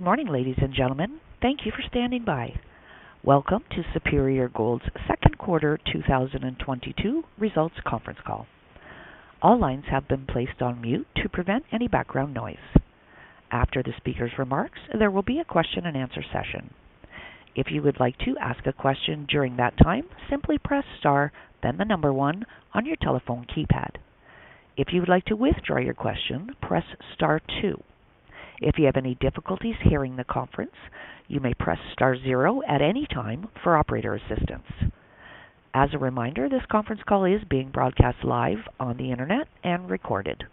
Good morning, ladies and gentlemen. Thank you for standing by. Welcome to Superior Gold's Second Quarter 2022 Results Conference Call. All lines have been placed on mute to prevent any background noise. After the speaker's remarks, there will be a question and answer session. If you would like to ask a question during that time, simply press star, then the number one on your telephone keypad. If you would like to withdraw your question, press star two. If you have any difficulties hearing the conference, you may press star zero at any time for operator assistance. As a reminder, this conference call is being broadcast live on the Internet and recorded.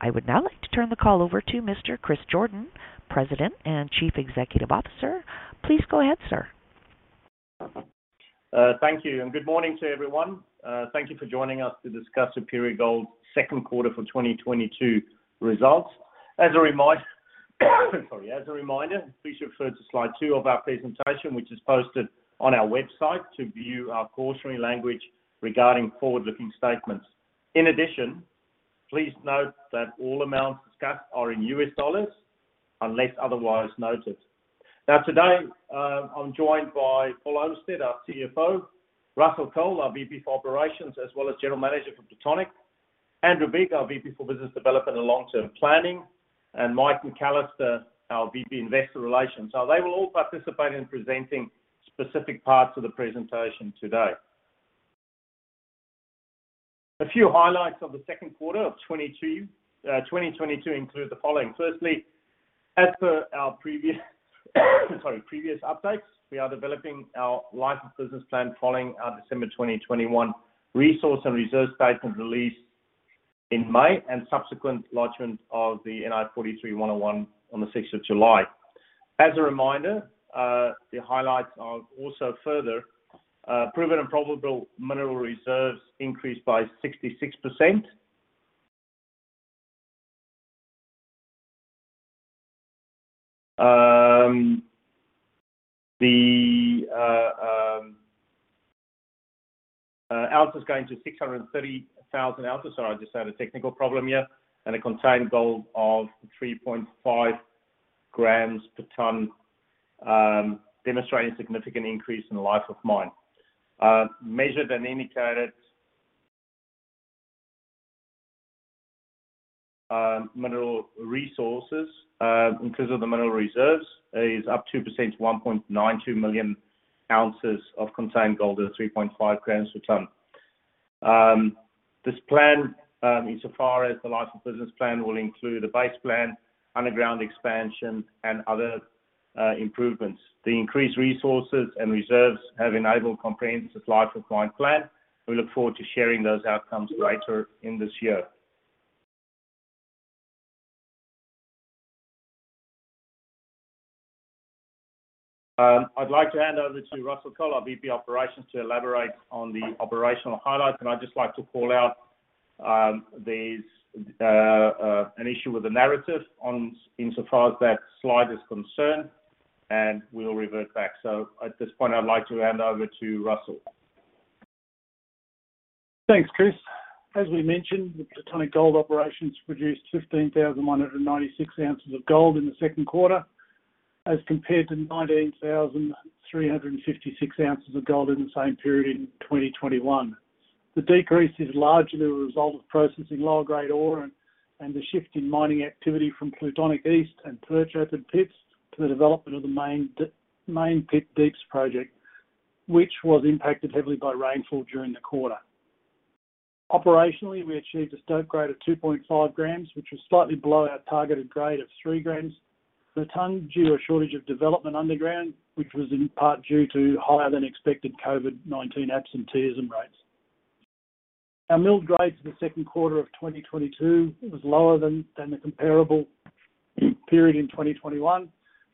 I would now like to turn the call over to Mr. Chris Jordaan, President and Chief Executive Officer. Please go ahead, sir. Thank you, and good morning to everyone. Thank you for joining us to discuss Superior Gold second quarter for 2022 results. As a reminder, please refer to slide two. .Of our presentation, which is posted on our website to view our cautionary language regarding forward-looking statements. In addition, please note that all amounts discussed are in U.S. dollars unless otherwise noted. Now, today, I'm joined by Paul Olmsted, our CFO, Russell Cole, our VP for Operations, as well as General Manager for Plutonic, Andrew Bigg, our VP for Business Development and Long-Term Planning, and Mike McAllister, our VP, Investor Relations. They will all participate in presenting specific parts of the presentation today. A few highlights of the second quarter of 2022 include the following. Firstly, as per our previous updates, we are developing our life of mine plan following our December 2021 resource and reserve statement release in May and subsequent lodgment of the NI 43-101 on the July 6th. As a reminder, the highlights are also further proven and probable mineral reserves increased by 66%. The ounces going to 630,000 ounces. Sorry, I just had a technical problem here. A contained gold of 3.5 grams per ton, demonstrating significant increase in the life of mine. Measured and indicated mineral resources, in terms of the mineral reserves is up 2% to 1.92 million ounces of contained gold at 3.5 grams per ton. This plan, insofar as the Life of Mine plan will include a base plan, underground expansion and other improvements. The increased resources and reserves have enabled comprehensive Life of Mine plan. We look forward to sharing those outcomes later in this year. I'd like to hand over to Russell Cole, our VP of Operations, to elaborate on the operational highlights. I'd just like to call out, there's an issue with the narrative insofar as that slide is concerned, and we'll revert back. At this point, I'd like to hand over to Russell. Thanks, Chris. As we mentioned, the Plutonic Gold Operations produced 15,096 ounces of gold in the second quarter, as compared to 19,356 ounces of gold in the same period in 2021. The decrease is largely a result of processing lower grade ore and the shift in mining activity from Plutonic East and Perch open pits to the development of the Main Pit Deeps project, which was impacted heavily by rainfall during the quarter. Operationally, we achieved a stope grade of 2.5 grams, which was slightly below our targeted grade of 3 grams per ton due to a shortage of development underground, which was in part due to higher than expected COVID-19 absence rates. Our mill grade for the second quarter of 2022 was lower than the comparable period in 2021.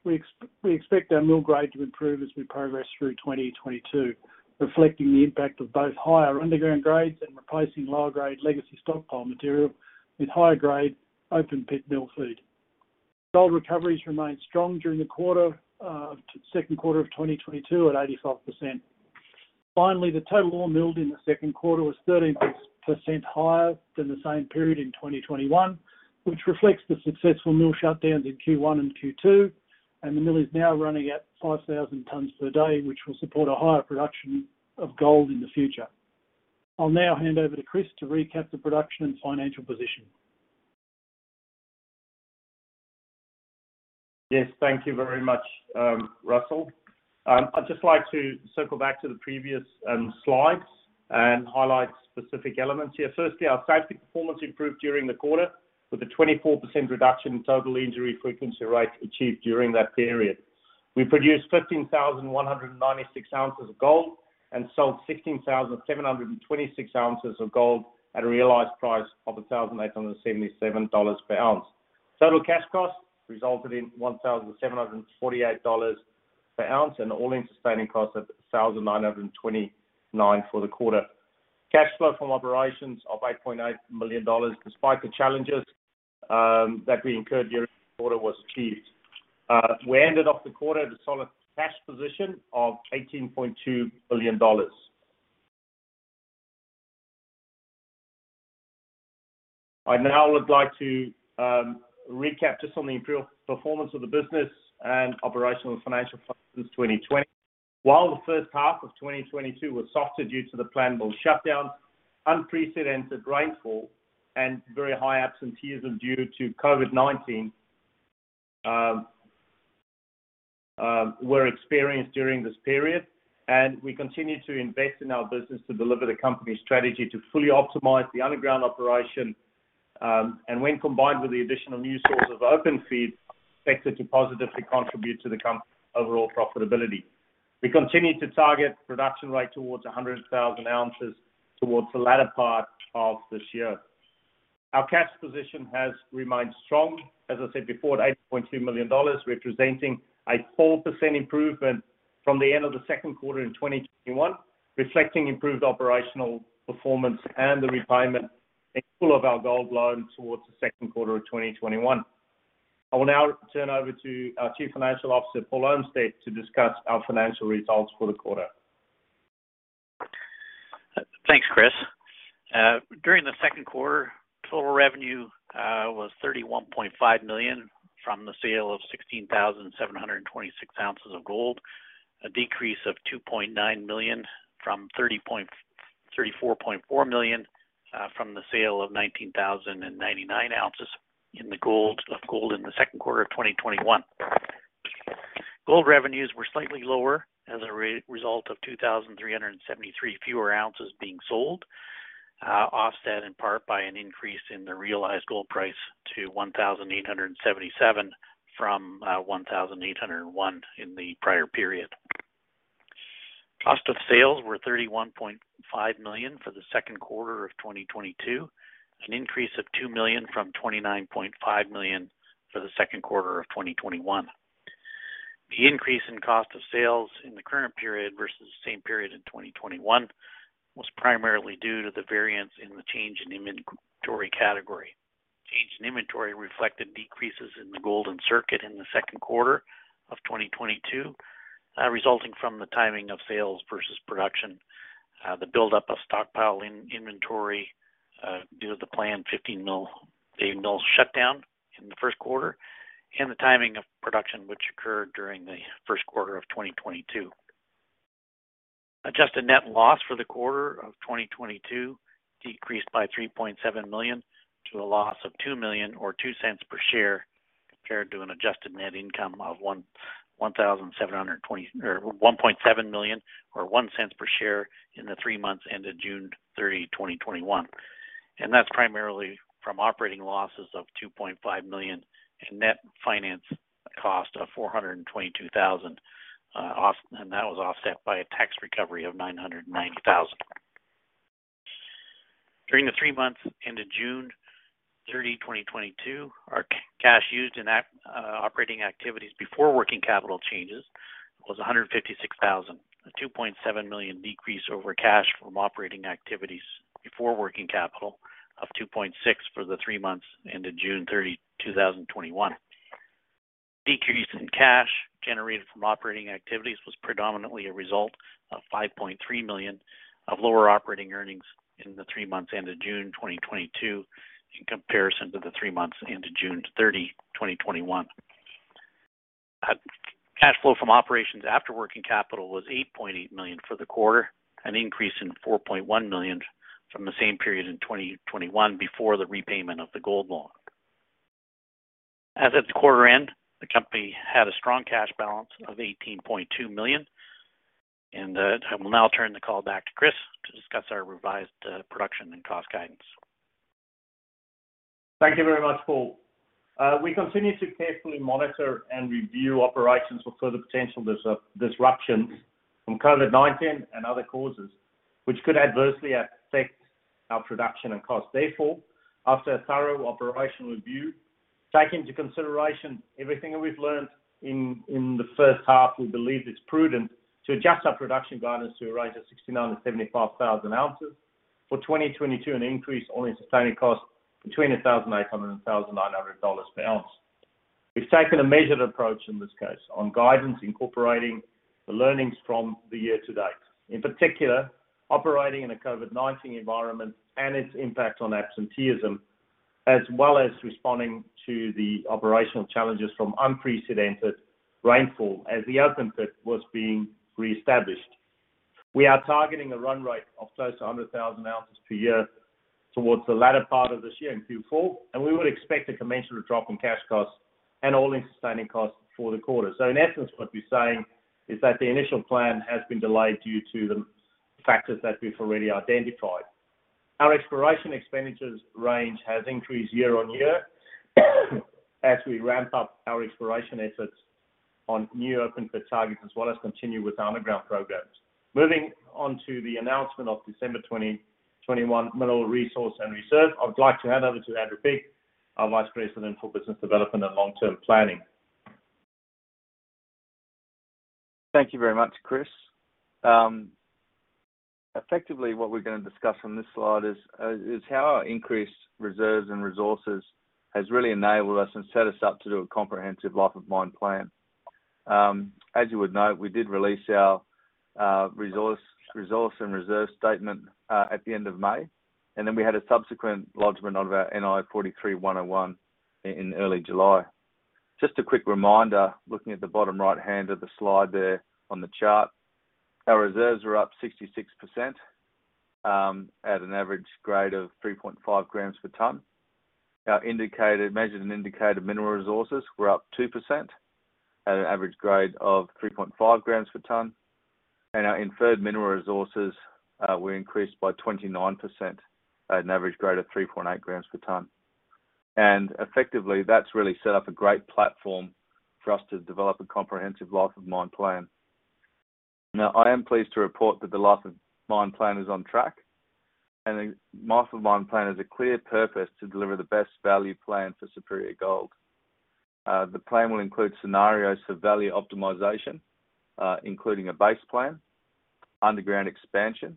We expect our mill grade to improve as we progress through 2022, reflecting the impact of both higher underground grades and replacing lower grade legacy stockpile material with higher grade open pit mill feed. Gold recoveries remained strong during the quarter, second quarter of 2022 at 85%. Finally, the total ore milled in the second quarter was 13% higher than the same period in 2021, which reflects the successful mill shutdowns in Q1 and Q2. The mill is now running at 5,000 tons per day, which will support a higher production of gold in the future. I'll now hand over to Chris to recap the production and financial position. Yes. Thank you very much, Russell. I'd just like to circle back to the previous slides and highlight specific elements here. Firstly, our safety performance improved during the quarter with a 24% reduction in total injury frequency rate achieved during that period. We produced 15,116 ounces of gold and sold 16,726 ounces of gold at a realized price of $1,877 per ounce. Total cash costs resulted in $1,748 per ounce and all-in sustaining costs of $1,929 for the quarter. Cash flow from operations of $8.8 million despite the challenges that we incurred during the quarter was achieved. We ended off the quarter with a solid cash position of $18.2 million. I now would like to recap just on the improved performance of the business and operational and financial performance in 2020. While the first half of 2022 was softer due to the planned mill shutdowns, unprecedented rainfall and very high absenteeism due to COVID-19 were experienced during this period. We continue to invest in our business to deliver the company's strategy to fully optimize the underground operation. When combined with the additional new source of open pit feed, expected to positively contribute to overall profitability. We continue to target production rate towards 100,000 ounces towards the latter part of this year. Our cash position has remained strong. As I said before, at $8.2 million, representing a 4% improvement from the end of the second quarter in 2021, reflecting improved operational performance and the repayment in full of our gold loan towards the second quarter of 2021. I will now turn over to our Chief Financial Officer, Paul Olmsted, to discuss our financial results for the quarter. Thanks, Chris. During the second quarter, total revenue was $31.5 million from the sale of 16,726 ounces of gold, a decrease of $2.9 million from $34.4 million from the sale of 19,099 ounces of gold in the second quarter of 2021. Gold revenues were slightly lower as a result of 2,373 fewer ounces being sold, offset in part by an increase in the realized gold price to $1,877 from $1,801 in the prior period. Cost of sales were $31.5 million for the second quarter of 2022, an increase of $2 million from $29.5 million for the second quarter of 2021. The increase in cost of sales in the current period versus the same period in 2021 was primarily due to the variance in the change in inventory category. Change in inventory reflected decreases in the gold in circuit in the second quarter of 2022, resulting from the timing of sales versus production, the buildup of stockpile inventory, due to the planned eighteen mill shutdown in the first quarter, and the timing of production, which occurred during the first quarter of 2022. Adjusted net loss for the quarter of 2022 decreased by $3.7 million to a loss of $2 million or $0.02 per share, compared to an adjusted net income of $1.7 million or $0.01 per share in the three months ended June 30, 2021. That's primarily from operating losses of $2.5 million and net finance cost of $422,000, and that was offset by a tax recovery of $990,000. During the three months ended June 30, 2022, our cash used in operating activities before working capital changes was $156,000, a $2.7 million decrease over cash from operating activities before working capital of $2.6 million for the three months ended June 30, 2021. Decrease in cash generated from operating activities was predominantly a result of $5.3 million of lower operating earnings in the three months ended June 2022, in comparison to the three months ended June 30, 2021. Cash flow from operations after working capital was $8.8 million for the quarter, an increase of $4.1 million from the same period in 2021 before the repayment of the gold loan. As at the quarter end, the company had a strong cash balance of $18.2 million. I will now turn the call back to Chris to discuss our revised production and cost guidance. Thank you very much, Paul. We continue to carefully monitor and review operations for further potential disruptions from COVID-19 and other causes which could adversely affect our production and costs. Therefore, after a thorough operational review, taking into consideration everything that we've learned in the first half. We believe it's prudent to adjust our production guidance to a range of 69,000-75,000 ounces for 2022, an increase in all-in sustaining costs between $1,800 and $1,900 per ounce. We've taken a measured approach in this case on guidance incorporating the learnings from the year to date. In particular, operating in a COVID-19 environment and its impact on absenteeism, as well as responding to the operational challenges from unprecedented rainfall as the open pit was being reestablished. We are targeting a run rate of close to 100,000 ounces per year towards the latter part of this year in Q4, and we would expect a commensurate drop in cash costs and all-in sustaining costs for the quarter. In essence, what we're saying is that the initial plan has been delayed due to the factors that we've already identified. Our exploration expenditures range has increased year-over-year, as we ramp up our exploration efforts on new open pit targets, as well as continue with our underground programs. Moving on to the announcement of December 2021 mineral resource and reserve. I would like to hand over to Andrew Bigg, our Vice President for Business Development and Long Term Planning. Thank you very much, Chris. Effectively, what we're gonna discuss on this slide is how our increased reserves and resources has really enabled us and set us up to do a comprehensive Life of Mine plan. As you would know, we did release our resource and reserve statement at the end of May, and then we had a subsequent lodgment of our NI 43-101 in early July. Just a quick reminder, looking at the bottom right-hand of the slide there on the chart. Our reserves are up 66% at an average grade of 3.5 grams per ton. Our measured and indicated mineral resources were up 2% at an average grade of 3.5 grams per ton. Our Inferred Mineral Resources were increased by 29% at an average grade of 3.8 grams per ton. Effectively, that's really set up a great platform for us to develop a comprehensive Life of Mine plan. Now, I am pleased to report that the Life of Mine plan is on track, and the Life of Mine Plan has a clear purpose to deliver the best value plan for Superior Gold. The plan will include scenarios for value optimization, including a base plan, underground expansion,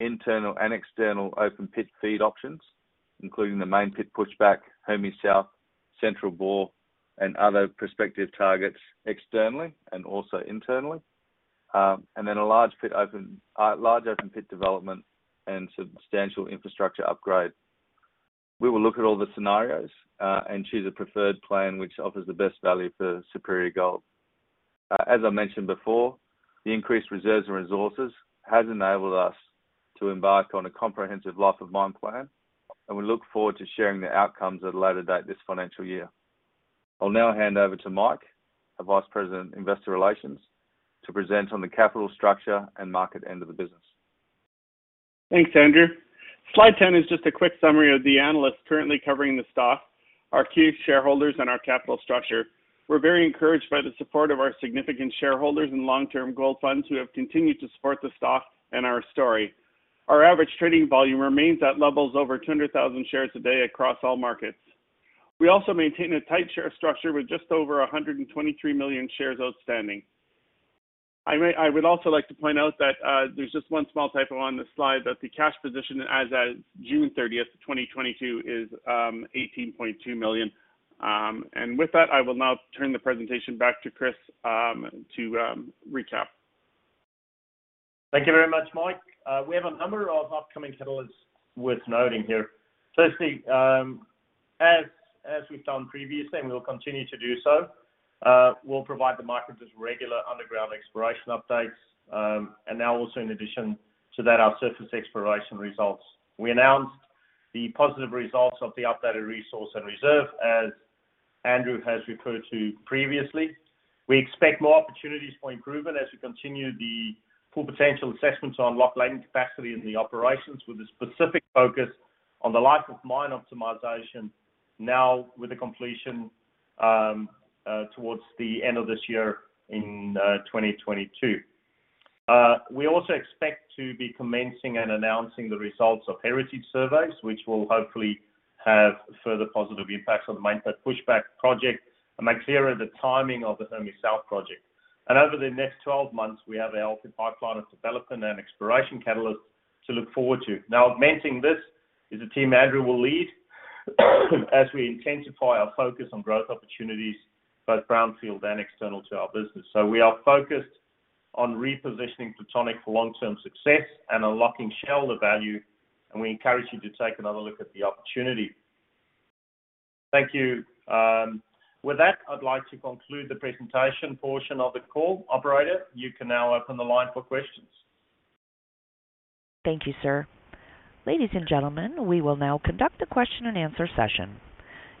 internal and external open pit feed options, including the Main Pit push-back, Hermes South, Central Bore, and other prospective targets externally and also internally. Then a large open pit development and substantial infrastructure upgrade. We will look at all the scenarios, and choose a preferred plan which offers the best value for Superior Gold. As I mentioned before, the increased reserves and resources has enabled us to embark on a comprehensive Life of Mine plan, and we look forward to sharing the outcomes at a later date this financial year. I'll now hand over to Mike, our Vice President, Investor Relations, to present on the capital structure and market end of the business. Thanks, Andrew. Slide 10 is just a quick summary of the analysts currently covering the stock, our key shareholders, and our capital structure. We're very encouraged by the support of our significant shareholders and long-term gold funds who have continued to support the stock and our story. Our average trading volume remains at levels over 200,000 shares a day across all markets. We also maintain a tight share structure with just over 123 million shares outstanding. I would also like to point out that there's just one small typo on this slide, that the cash position as of June 30th, 2022 is $18.2 million. With that, I will now turn the presentation back to Chris to recap. Thank you very much, Mike. We have a number of upcoming catalysts worth noting here. Firstly, as we've done previously, and we will continue to do so, we'll provide the market with regular underground exploration updates. Now also in addition to that, our surface exploration results. We announced the positive results of the updated resource and reserve, as Andrew has referred to previously. We expect more opportunities for improvement as we continue the full potential assessments on unlocking capacity in the operations, with a specific focus on the Life of Mine optimization now with the completion towards the end of this year in 2022. We also expect to be commencing and announcing the results of heritage surveys, which will hopefully have further positive impacts on the Main Pit push-back project and make clearer the timing of the Hermes South project. Over the next 12 months, we have a healthy pipeline of development and exploration catalysts to look forward to. Now, augmenting this is a team Andrew will lead as we intensify our focus on growth opportunities, both brownfield and external to our business. We are focused on repositioning Plutonic for long-term success and unlocking shareholder value, and we encourage you to take another look at the opportunity. Thank you. With that, I'd like to conclude the presentation portion of the call. Operator, you can now open the line for questions. Thank you, sir. Ladies and gentlemen, we will now conduct a question and answer session.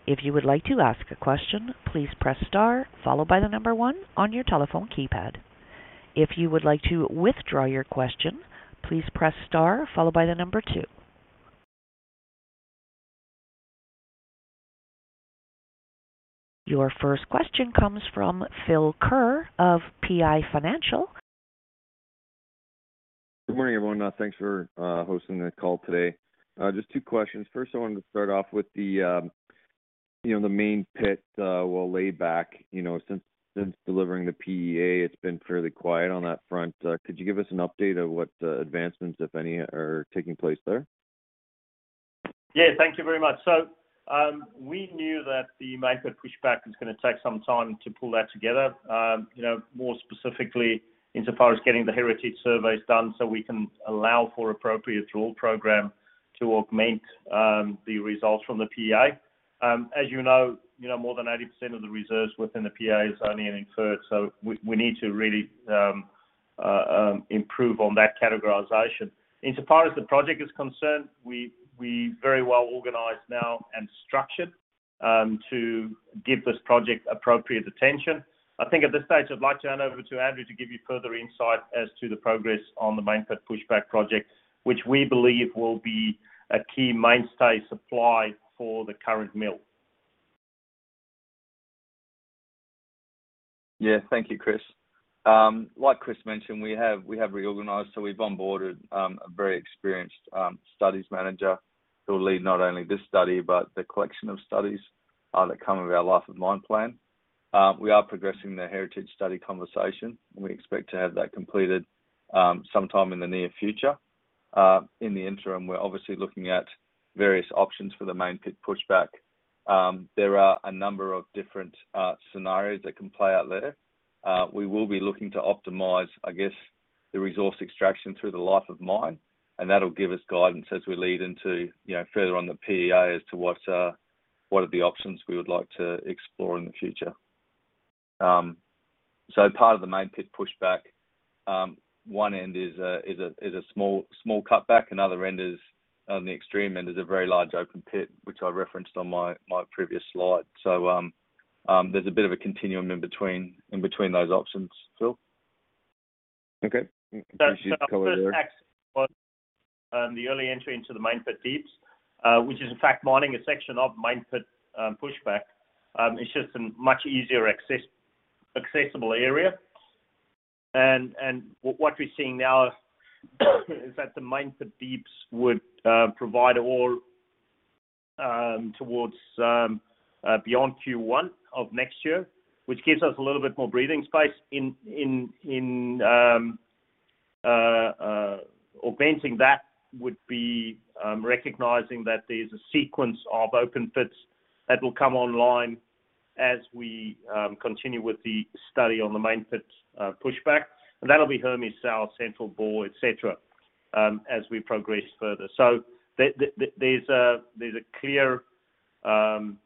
If you would like to ask a question, please press star followed by the number one on your telephone keypad. If you would like to withdraw your question, please press star followed by the number two. Your first question comes from Phil Ker of PI Financial. Good morning, everyone. Thanks for hosting the call today. Just two questions. First, I wanted to start off with the, you know, the main pit pushback. You know, since delivering the PEA, it's been fairly quiet on that front. Could you give us an update of what advancements, if any, are taking place there? Yeah. Thank you very much. We knew that the main pit pushback is gonna take some time to pull that together. You know, more specifically in so far as getting the heritage surveys done so we can allow for appropriate drill program to augment the results from the PEA. As you know, you know, more than 80% of the reserves within the PEA is only an inferred, so we need to really improve on that categorization. In so far as the project is concerned, we very well organized now and structured to give this project appropriate attention. I think at this stage, I'd like to hand over to Andrew to give you further insight as to the progress on the main pit pushback project, which we believe will be a key mainstay supply for the current mill. Yeah. Thank you, Chris. Like Chris mentioned, we have reorganized. We've onboarded a very experienced studies manager who will lead not only this study, but the collection of studies that come with our Life of Mine plan. We are progressing the heritage survey conversation. We expect to have that completed sometime in the near future. In the interim, we're obviously looking at various options for the main pit pushback. There are a number of different scenarios that can play out there. We will be looking to optimize, I guess, the resource extraction through the life of mine, and that'll give us guidance as we lead into, you know, further on the PEA as to what are the options we would like to explore in the future. Part of the Main Pit push-back, one end is a small cutback. Another end is, on the extreme end, a very large open pit which I referenced on my previous slide. There's a bit of a continuum in between those options. Phil? Okay. Appreciate the color there. That's the first act on the early entry into the main pit deeps, which is in fact mining a section of main pit pushback. It's just a much easier accessible area. What we're seeing now is that the main pit deeps would provide ore towards, which gives us a little bit more breathing space. And augmenting that would be recognizing that there's a sequence of open pits that will come online as we continue with the study on the main pit pushback. That'll be Hermes South, Central Bore, et cetera, as we progress further. There's a clear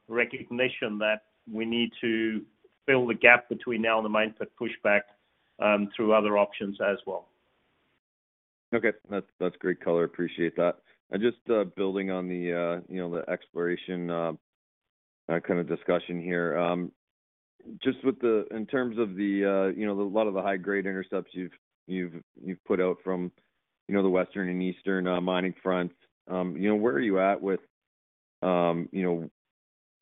recognition that we need to fill the gap between now and the main pit pushback through other options as well. Okay. That's great color. Appreciate that. Just building on you know, the exploration kind of discussion here. Just in terms of you know, a lot of the high-grade intercepts you've put out from you know, the western and eastern mining fronts, you know, where are you at with you know,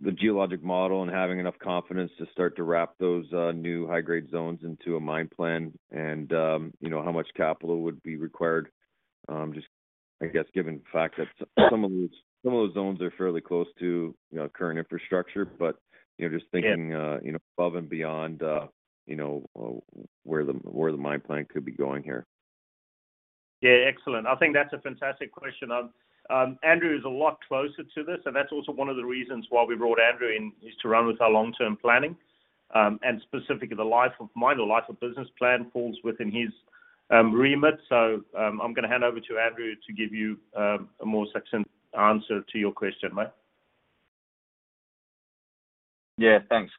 the geologic model and having enough confidence to start to wrap those new high-grade zones into a mine plan and you know, how much capital would be required? Just I guess, given the fact that some of those zones are fairly close to you know, current infrastructure. You know, just thinking. Yeah. You know, above and beyond, you know, where the mine plan could be going here. Yeah, excellent. I think that's a fantastic question. Andrew is a lot closer to this, and that's also one of the reasons why we brought Andrew in, is to run with our long-term planning. Specifically, the Life of Mine or Life of Business plan falls within his remit. I'm gonna hand over to Andrew to give you a more succinct answer to your question, mate. Yeah, thanks.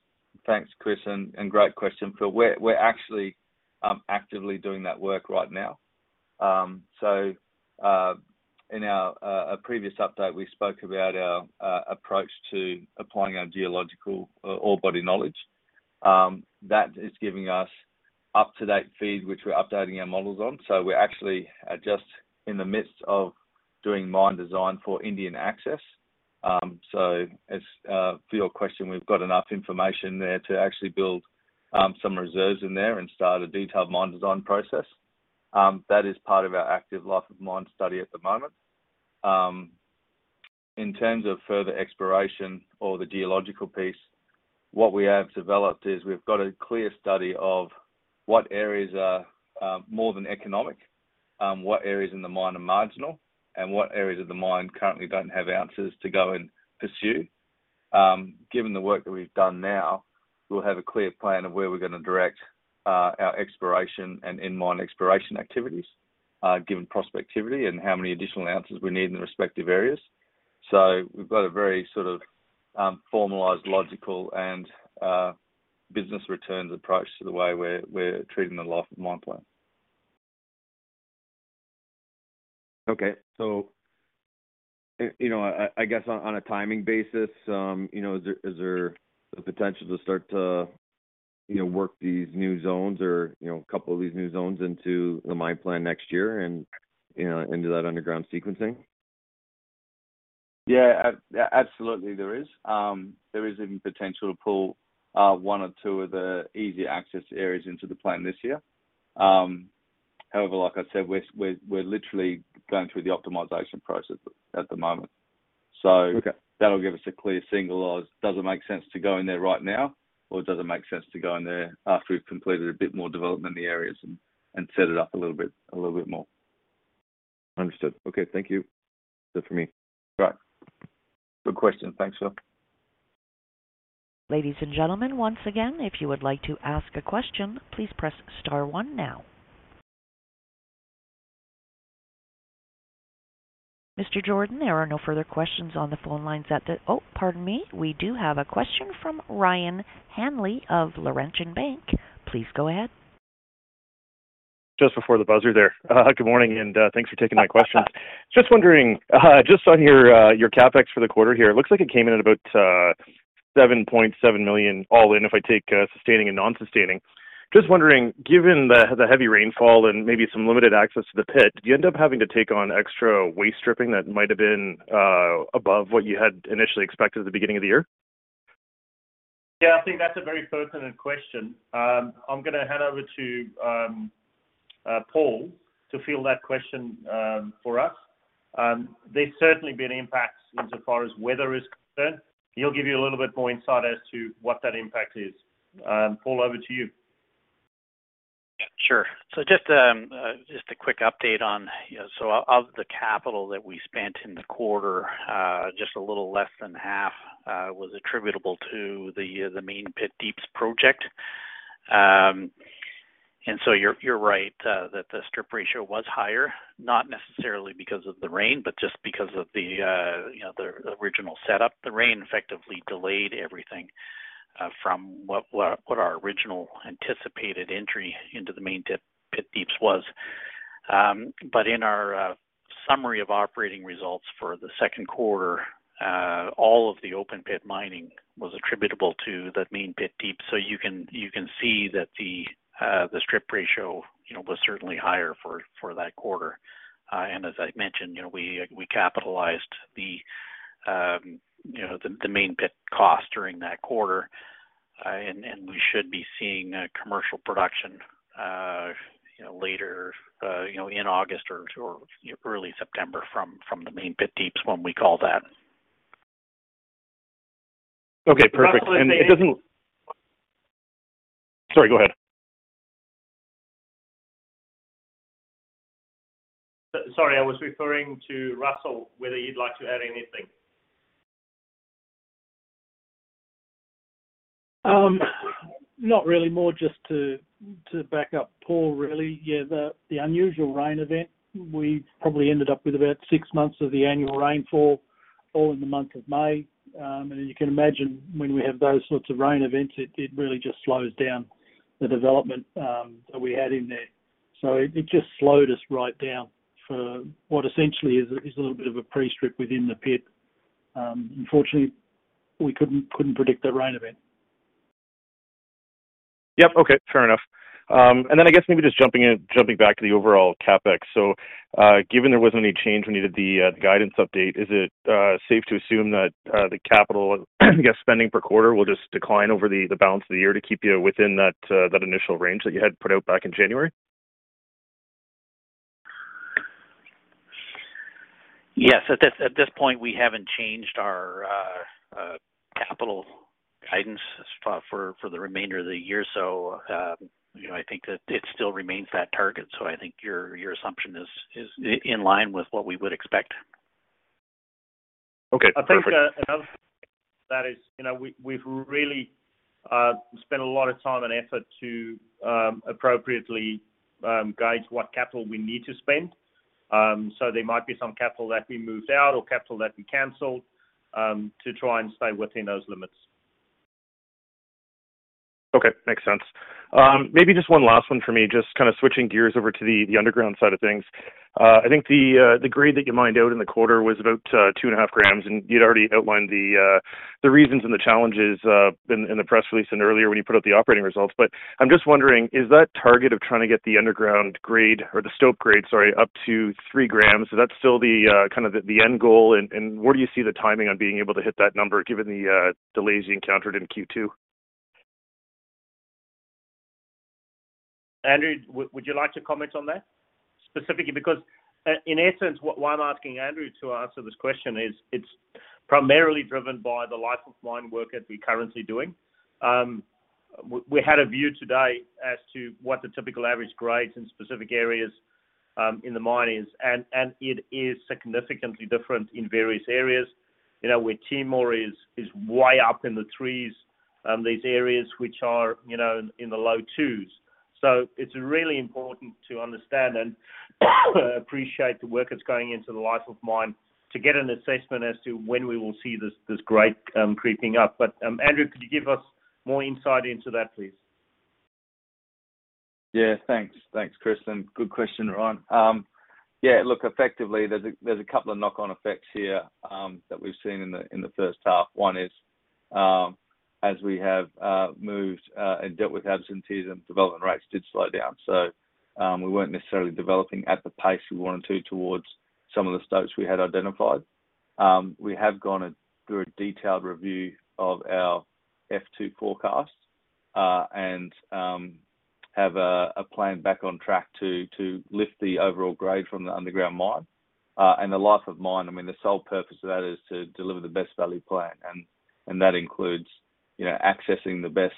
Thanks, Chris, and great question, Phil. We're actually actively doing that work right now. In our previous update, we spoke about our approach to applying our geological ore body knowledge. That is giving us up-to-date feed, which we're updating our models on. We're actually just in the midst of doing mine design for Indian Access. As for your question, we've got enough information there to actually build some reserves in there and start a detailed mine design process. That is part of our active life of mine study at the moment. In terms of further exploration or the geological piece, what we have developed is we've got a clear study of what areas are more than economic, what areas in the mine are marginal, and what areas of the mine currently don't have answers to go and pursue. Given the work that we've done now, we'll have a clear plan of where we're gonna direct our exploration and in-mine exploration activities, given prospectivity and how many additional answers we need in the respective areas. We've got a very sort of formalized, logical and business returns approach to the way we're treating the Life of Mine plan. Okay. You know, I guess on a timing basis, you know, is there the potential to start to, you know, work these new zones or, you know, a couple of these new zones into the mine plan next year and, you know, into that underground sequencing? Yeah. Absolutely, there is. There is even potential to pull one or two of the easy access areas into the plan this year. However, like I said, we're literally going through the optimization process at the moment. Okay. That'll give us a clear signal of does it make sense to go in there right now, or does it make sense to go in there after we've completed a bit more development in the areas and set it up a little bit, a little bit more. Understood. Okay. Thank you. That's it for me. Right. Good question. Thanks, Phil. Ladies and gentlemen, once again, if you would like to ask a question, please press star one now. Mr. Jordaan, there are no further questions on the phone lines. Oh, pardon me. We do have a question from Ryan Hanley of Laurentian Bank. Please go ahead. Just before the buzzer there. Good morning, and thanks for taking my questions. Just wondering, just on your CapEx for the quarter here, looks like it came in at about $7.7 million all in if I take sustaining and non-sustaining. Just wondering, given the heavy rainfall and maybe some limited access to the pit, do you end up having to take on extra waste stripping that might have been above what you had initially expected at the beginning of the year? Yeah, I think that's a very pertinent question. I'm gonna hand over to Paul to field that question for us. There's certainly been impacts insofar as weather is concerned. He'll give you a little bit more insight as to what that impact is. Paul, over to you. Just a quick update on, you know, of the capital that we spent in the quarter, just a little less than half was attributable to the main pit pushback project. You're right that the strip ratio was higher, not necessarily because of the rain, but just because of, you know, the original setup. The rain effectively delayed everything from what our original anticipated entry into the main pit pushback was. In our summary of operating results for the second quarter, all of the open pit mining was attributable to that main pit pushback. You can see that the strip ratio, you know, was certainly higher for that quarter. As I mentioned, you know, we capitalized the main pit cost during that quarter. We should be seeing commercial production, you know, later, you know, in August or early September from the main pit deeps when we call that. Okay, perfect. Sorry, go ahead. Sorry, I was referring to Russell, whether you'd like to add anything. Not really. More just to back up Paul, really. Yeah, the unusual rain event, we probably ended up with about six months of the annual rainfall all in the month of May. You can imagine when we have those sorts of rain events, it really just slows down the development that we had in there. It just slowed us right down for what essentially is a little bit of a pre-strip within the pit. Unfortunately, we couldn't predict that rain event. Yep. Okay. Fair enough. I guess maybe just jumping in, jumping back to the overall CapEx. Given there wasn't any change when you did the guidance update, is it safe to assume that the capital, I guess, spending per quarter will just decline over the balance of the year to keep you within that initial range that you had put out back in January? Yes. At this point, we haven't changed our capital guidance for the remainder of the year. You know, I think that it still remains that target. I think your assumption is in line with what we would expect. Okay. Perfect. I think, another thing to that is, you know, we've really spent a lot of time and effort to appropriately gauge what capital we need to spend. There might be some capital that we moved out or capital that we canceled to try and stay within those limits. Okay. Makes sense. Maybe just one last one for me, just kinda switching gears over to the underground side of things. I think the grade that you mined out in the quarter was about 2.5 grams, and you'd already outlined the reasons and the challenges in the press release and earlier when you put out the operating results. I'm just wondering, is that target of trying to get the underground grade or the stope grade up to 3 grams still kind of the end goal? And where do you see the timing on being able to hit that number given the delays you encountered in Q2? Andrew, would you like to comment on that specifically? Because, in essence, why I'm asking Andrew to answer this question is it's primarily driven by the life of mine work that we're currently doing. We had a view today as to what the typical average grades in specific areas in the mine is, and it is significantly different in various areas, you know, where Timor is way up in the threes, these areas which are, you know, in the low twos. It's really important to understand and appreciate the work that's going into the life of mine to get an assessment as to when we will see this grade creeping up. Andrew, could you give us more insight into that, please? Thanks, Chris, and good question, Ryan. Effectively, there's a couple of knock-on effects here that we've seen in the first half. One is, as we have moved and dealt with absenteeism, development rates did slow down. We weren't necessarily developing at the pace we wanted to towards some of the stopes we had identified. We have gone through a detailed review of our H2 forecast and have a plan back on track to lift the overall grade from the underground mine. The life of mine, I mean, the sole purpose of that is to deliver the best value plan, and that includes, you know, accessing the best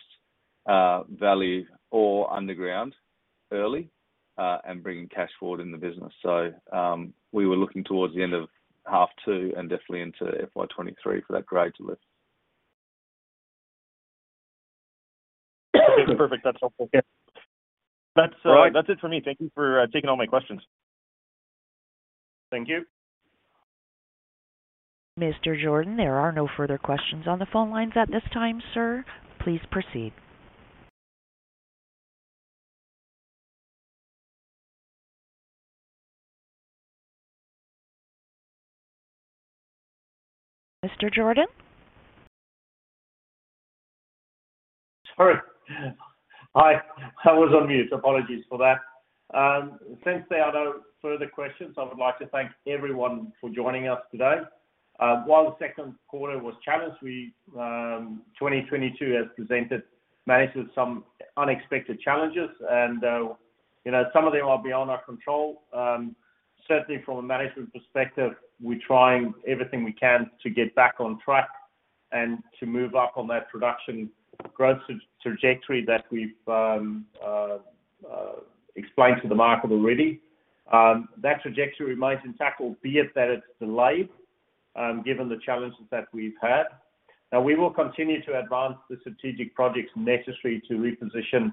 value ore underground early and bringing cash forward in the business. We were looking towards the end of H2 and definitely into FY2023 for that grade to lift. Okay, perfect. That's helpful. Yeah. That's. All right. That's it for me. Thank you for taking all my questions. Thank you. Mr. Jordaan, there are no further questions on the phone lines at this time, sir. Please proceed. Mr. Jordaan? Sorry. I was on mute. Apologies for that. Since there are no further questions, I would like to thank everyone for joining us today. While the second quarter was challenged, we managed some unexpected challenges and, you know, some of them are beyond our control. Certainly from a management perspective, we're trying everything we can to get back on track and to move up on that production growth trajectory that we've explained to the market already. That trajectory remains intact, albeit that it's delayed, given the challenges that we've had. Now, we will continue to advance the strategic projects necessary to reposition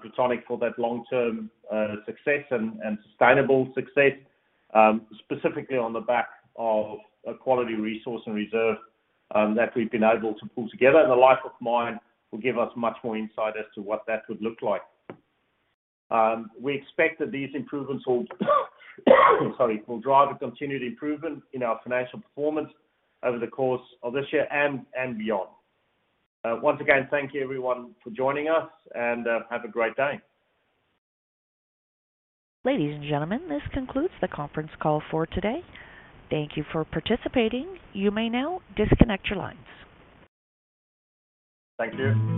Plutonic for that long-term success and sustainable success, specifically on the back of a quality resource and reserve that we've been able to pull together. The life of mine will give us much more insight as to what that would look like. We expect that these improvements will drive a continued improvement in our financial performance over the course of this year and beyond. Once again, thank you everyone for joining us, and have a great day. Ladies and gentlemen, this concludes the conference call for today. Thank you for participating. You may now disconnect your lines. Thank you.